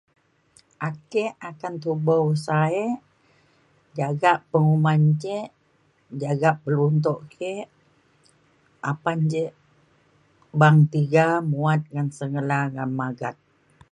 Ake akan tubo usa ek , jaga penguman cek , jaga pelundok kek, apan cek bang tiga muat ngen segelan magat